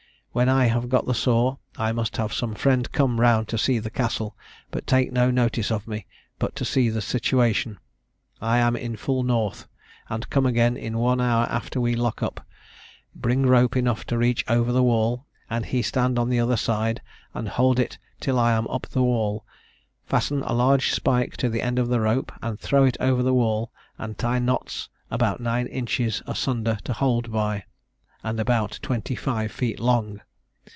When I have got the saw, I must have some friend come round to see the Castle, but take no notice of me, but to see the situation; I am in full north; and come again in one hour after we lock up; bring rope enough to reach over the wall, and he stand on the other side, and hold it till I am up the wall. Fasten a large spike to the end of the rope, and throw it over the wall, and tie knots about nine inches asunder to hold by, and about twenty five feet long.